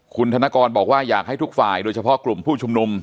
คุณธนกรบอกว่าอยากให้ทุกฝ่ายโดยเฉพาะกลุ่มผู้ชุมนุม